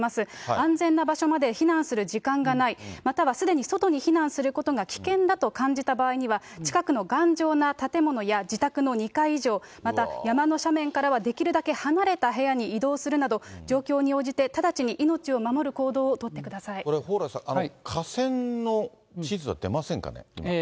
安全な場所まで避難する時間がない、またはすでに外に避難することが危険だと感じた場合には、近くの頑丈な建物や自宅の２階以上、また山の斜面からはできるだけ離れた部屋に移動するなど、状況に応じて直ちに命を守る行動をとっこれ、蓬莱さん、河川の地図、出ます。